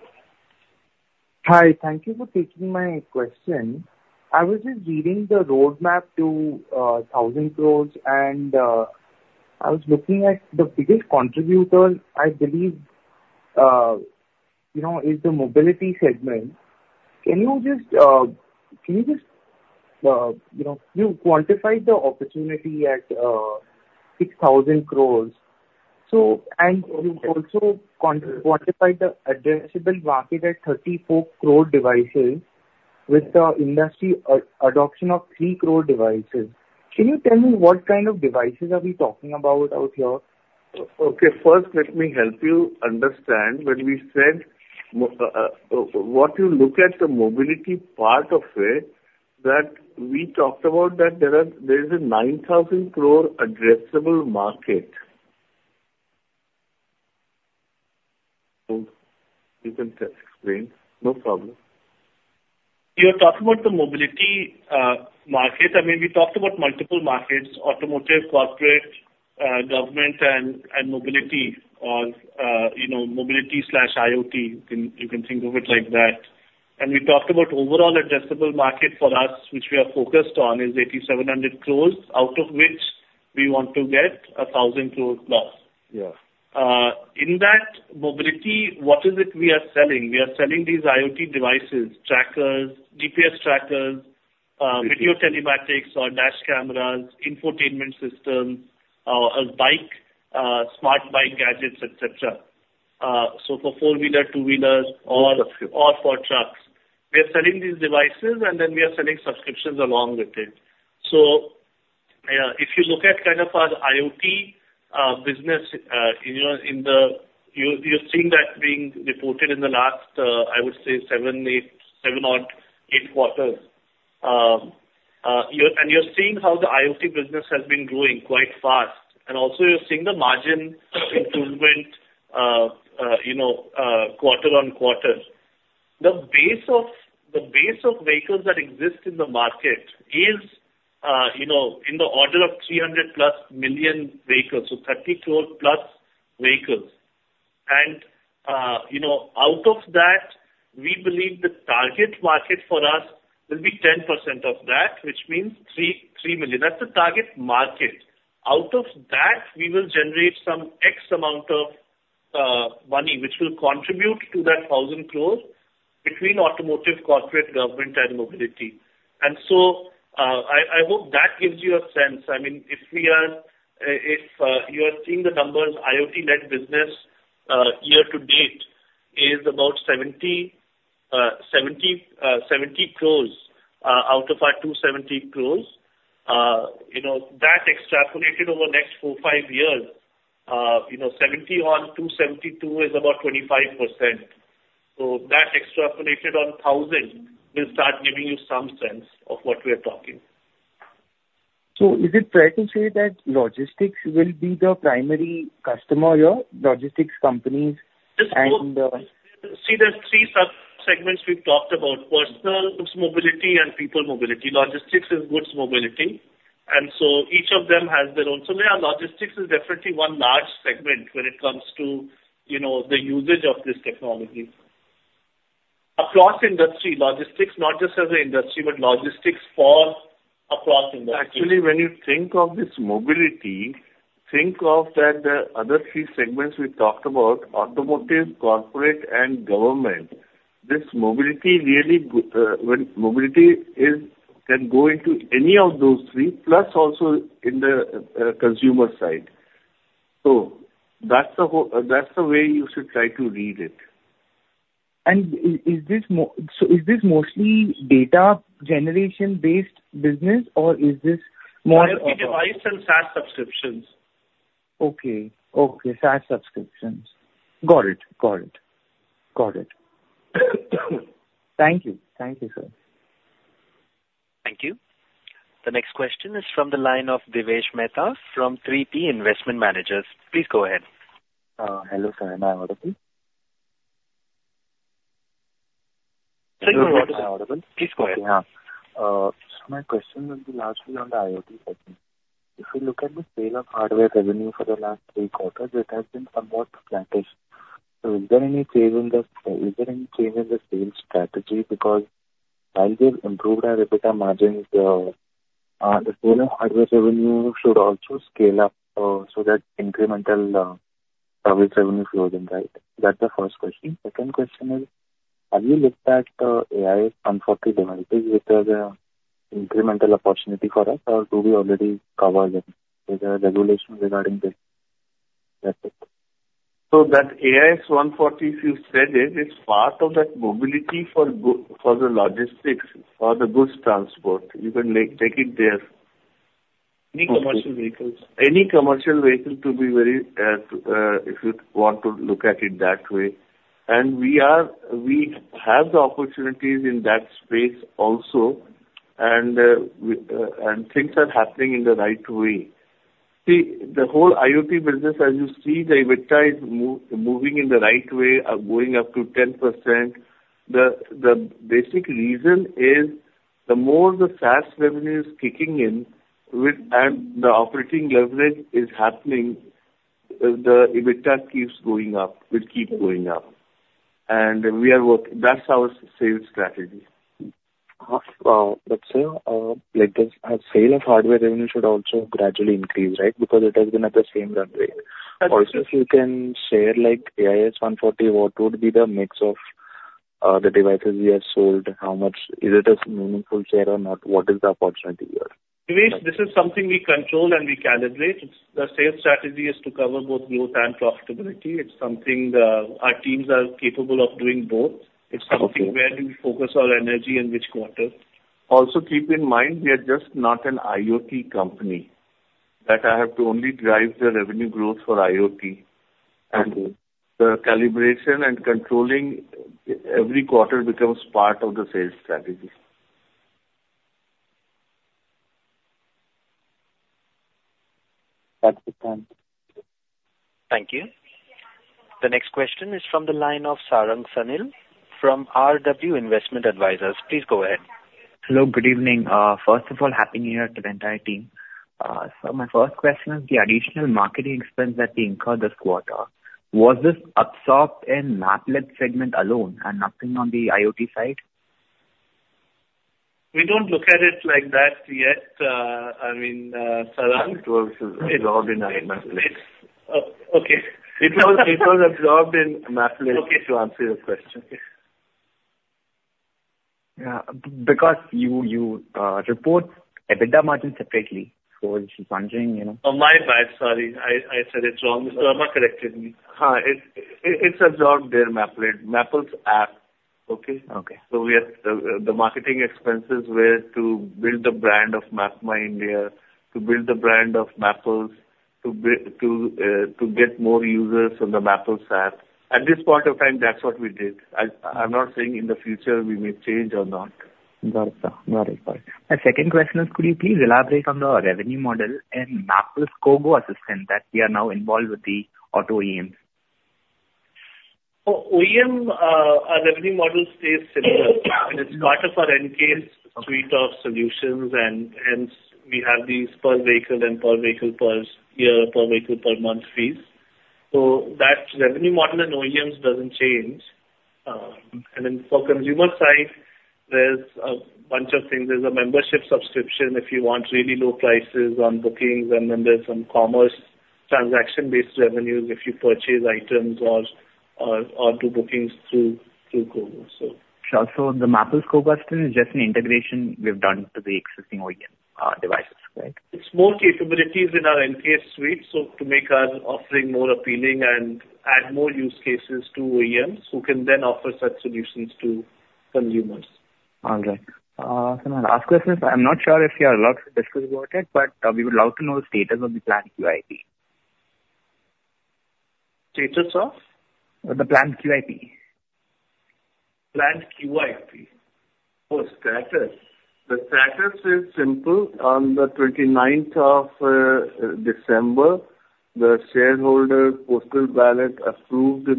Hi. Thank you for taking my question. I was just reading the roadmap to 1,000 crore, and I was looking at the biggest contributor, I believe, you know, is the mobility segment. Can you just, can you just, you know, you quantified the opportunity at 6,000 crore. So, and you also quantified the addressable market at 34 crore devices with the industry adoption of 3 crore devices. Can you tell me what kind of devices are we talking about out here? Okay, first, let me help you understand. When we said, what you look at the mobility part of it, that we talked about that there is a 9,000 crore addressable market. So you can explain, no problem. You're talking about the mobility, market. I mean, we talked about multiple markets, automotive, corporate, government, and, and mobility or, you know, mobility/IoT. You can, you can think of it like that. We talked about overall addressable market for us, which we are focused on, is 8,700 crore, out of which we want to get 1,000 crore plus. Yeah. in that mobility, what is it we are selling? We are selling these IoT devices, trackers, GPS trackers, Okay... video telematics or dash cameras, infotainment systems, a bike, smart bike gadgets, et cetera. So for four-wheeler, two-wheelers, or for trucks. We are selling these devices, and then we are selling subscriptions along with it. So, if you look at kind of our IoT business, you know, in the... You're seeing that being reported in the last, I would say seven or eight quarters. And you're seeing how the IoT business has been growing quite fast, and also you're seeing the margin improvement, you know, quarter on quarter. The base of vehicles that exist in the market is, you know, in the order of 300+ million vehicles, so 30+ crore vehicles. You know, out of that, we believe the target market for us will be 10% of that, which means 3.3 million. That's the target market. Out of that, we will generate some X amount of money, which will contribute to that 1,000 crore between automotive, corporate, government, and mobility. So, I hope that gives you a sense. I mean, if we are, if you are seeing the numbers, IoT net business year to date is about 70 crore out of our 270 crore. You know, that extrapolated over the next four to five years, you know, 70 on 270 is about 25%. So that extrapolated on 1,000 will start giving you some sense of what we are talking. So is it fair to say that logistics will be the primary customer here, logistics companies and? See, there are three subsegments we've talked about: personal goods mobility and people mobility. Logistics is goods mobility, and so each of them has their own. So yeah, logistics is definitely one large segment when it comes to, you know, the usage of this technology. Across industry, logistics, not just as an industry, but logistics for across industry. Actually, when you think of this mobility, think of that, the other three segments we talked about, automotive, corporate, and government. This mobility really, when mobility is, can go into any of those three, plus also in the consumer side. So that's the whole... That's the way you should try to read it. And so is this mostly data generation-based business, or is this more- IoT device and SaaS subscriptions. Okay. Okay, SaaS subscriptions. Got it. Got it. Got it. Thank you. Thank you, sir. Thank you. The next question is from the line of Divyesh Mehta, from 3P Investment Managers. Please go ahead. Hello, sir. Am I audible? Please go ahead. Am I audible? Please go ahead. Yeah. So my question will be largely on the IoT segment. If you look at the sale of hardware revenue for the last three quarters, it has been somewhat flattish. So is there any change in the, is there any change in the sales strategy? Because while you've improved our EBITDA margins, the sale of hardware revenue should also scale up, so that incremental, revenue revenue flows in, right? That's the first question. Second question is, have you looked at, AIS 140 advantages, which is a incremental opportunity for us, or do we already cover them with the regulation regarding this? That's it. So that AIS 140, if you said it, it's part of that mobility for—for the logistics, for the goods transport. You can make, take it there. Any commercial vehicles. Any commercial vehicle to be very, if you want to look at it that way. And we are, we have the opportunities in that space also, and, we, and things are happening in the right way. See, the whole IoT business, as you see, the EBITDA is moving in the right way, going up to 10%. The basic reason is the more the SaaS revenue is kicking in with, and the operating leverage is happening, the EBITDA keeps going up, will keep going up. And we are work, that's our sales strategy. But, sir, like, the sale of hardware revenue should also gradually increase, right? Because it has been at the same runway. Also, if you can share, like, AIS 140, what would be the mix of the devices you have sold? How much? Is it a meaningful share or not? What is the opportunity here? Divyesh, this is something we control and we calibrate. It's the sales strategy is to cover both growth and profitability. It's something that our teams are capable of doing both. Okay. It's something where do we focus our energy in which quarter? Also, keep in mind, we are just not an IoT company, that I have to only drive the revenue growth for IoT. Okay. The calibration and controlling every quarter becomes part of the sales strategy. That's it, then. Thank you. The next question is from the line of Sarang Sanil, from RW Investment Advisors. Please go ahead. Hello, good evening. First of all, happy New Year to the entire team. My first question is the additional marketing expense that we incurred this quarter, was this absorbed in Mappls segment alone and nothing on the IoT side? We don't look at it like that yet. I mean, Sarang- It was absorbed in Mappls. Oh, okay. It was absorbed in Mappls- Okay. to answer your question. Yeah, because you report EBITDA margin separately, so I was just wondering, you know. Oh, my bad, sorry. I said it wrong. Mr. Verma corrected me. It's absorbed there in Mappls app. Okay? Okay. The marketing expenses were to build the brand of MapmyIndia, to build the brand of Mappls, to get more users on the Mappls app. At this point of time, that's what we did. I'm not saying in the future we may change or not. Got it. Got it, got it. My second question is, could you please elaborate on the revenue model and Mappls KOGO assistant that we are now involved with the auto OEMs? For OEM, our revenue model stays similar. It's part of our N-CASE suite of solutions, and hence we have these per-vehicle and per-vehicle, per year, per-vehicle, per-month fees. So that revenue model in OEMs doesn't change. And then for consumer side, there's a bunch of things. There's a membership subscription, if you want really low prices on bookings, and then there's some commerce transaction-based revenues if you purchase items or, or, or do bookings through, through KOGO, so. Sure. So the Mappls KOGO assistant is just an integration we've done to the existing OEM devices, right? It's more capabilities in our N-CASE suite, so to make our offering more appealing and add more use cases to OEMs, who can then offer such solutions to consumers. All right. So my last question is, I'm not sure if you are allowed to discuss about it, but, we would love to know the status of the planned QIP. Status of? The planned QIP. Planned QIP. Oh, status. The status is simple. On the twenty-ninth of December, the shareholder postal ballot approved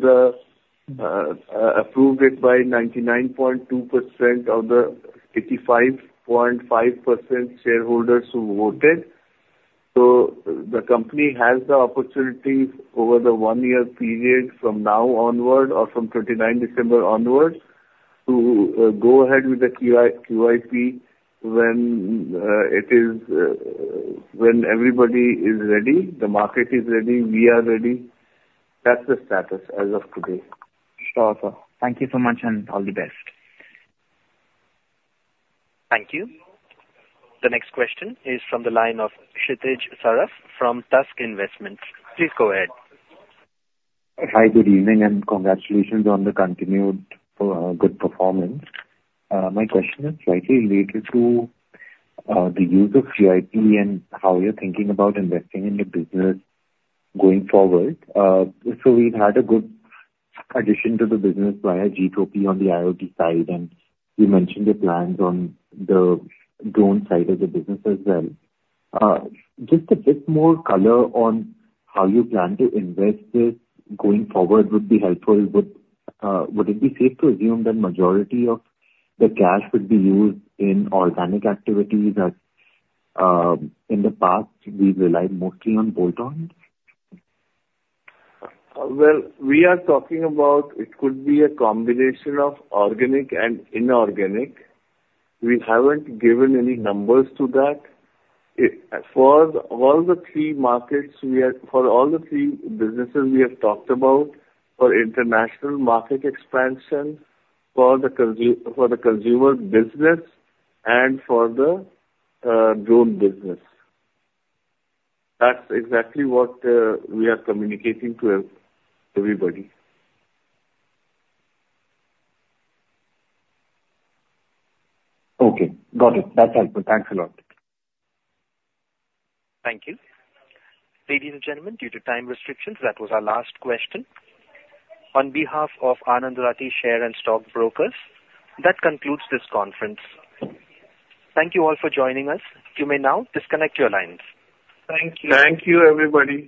it by 99.2% of the 85.5% shareholders who voted. So the company has the opportunity over the one-year period, from now onward or from 29, December onwards, to go ahead with the QIP when everybody is ready, the market is ready, we are ready. That's the status as of today. Sure, sir. Thank you so much, and all the best. Thank you. The next question is from the line of Kshitij Saraf from Tusk Investments. Please go ahead. Hi, good evening, and congratulations on the continued good performance. My question is slightly related to the use of QIP and how you're thinking about investing in the business going forward. So we've had a good addition to the business via Gtropy on the IoT side, and you mentioned the plans on the drone side of the business as well. Just a bit more color on how you plan to invest this going forward would be helpful. Would it be safe to assume that majority of the cash would be used in organic activities that in the past we've relied mostly on bolt-ons? Well, we are talking about it could be a combination of organic and inorganic. We haven't given any numbers to that. For all the three businesses we have talked about, for international market expansion, for the consumer business, and for the drone business. That's exactly what we are communicating to everybody. Okay, got it. That's helpful. Thanks a lot. Thank you. Ladies and gentlemen, due to time restrictions, that was our last question. On behalf of Anand Rathi Share and Stock Brokers, that concludes this conference. Thank you all for joining us. You may now disconnect your lines. Thank you. Thank you, everybody.